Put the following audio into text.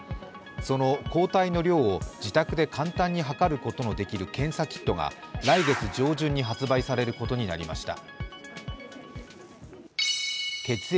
その抗体の量を自宅で簡単に測ることのできる検査キットが来月上旬に発売されることになりました。